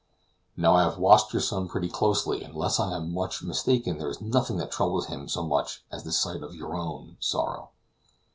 Now, I have watched your son pretty closely, and unless I am much mistaken there is nothing that troubles him so much as the sight of your own sorrow."